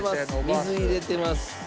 水入れてます。